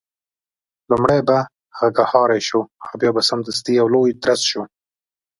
لومړی به غږهارۍ شو او بیا به سمدستي یو لوی درز شو.